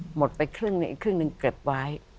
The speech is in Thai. หมดไปครึ่งหนึ่งอีกครึ่งหนึ่งเก็บไว้